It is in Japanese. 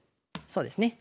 そうですね。